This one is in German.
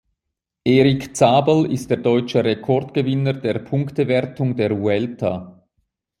Erik Zabel ist der deutsche Rekordgewinner der Punktewertung der Vuelta.